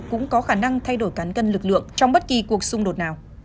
cũng có khả năng thay đổi cán cân lực lượng trong bất kỳ cuộc xung đột nào